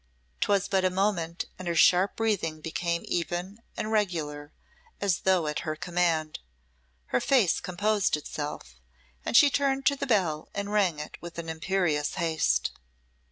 'Twas but a moment, and her sharp breathing became even and regular as though at her command; her face composed itself, and she turned to the bell and rang it as with imperious haste.